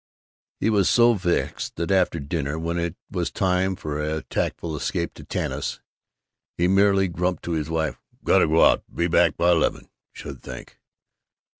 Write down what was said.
He was so vexed that after dinner, when it was time for a tactful escape to Tanis, he merely grumped to his wife, "Got to go out. Be back by eleven, should think."